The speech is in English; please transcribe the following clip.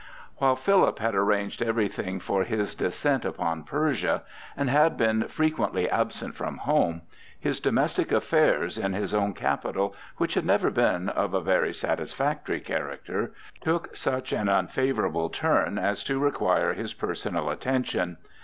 While Philip had arranged everything for his descent upon Persia, and had been frequently absent from home, his domestic affairs in his own capital, which had never been of a very satisfactory character, took such an unfavorable turn as to require his personal attention.